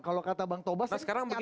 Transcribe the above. kalau kata bang toba saya sih nyata sekali